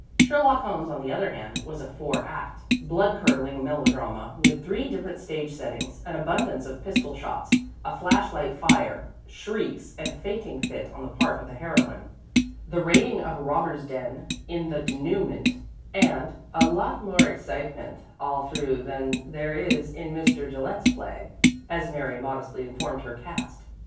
"Sherlock Holmes," on the other hand, was a four act, blood curdling melodrama, with three different stage settings, an abundance of pistol shots, a flash light fire, shrieks and a fainting fit on the part of the heroine, the raiding of a robbers' den in the dénouement, and "a lot more excitement all through than there is in Mr. Gillette's play," as Mary modestly informed her caste.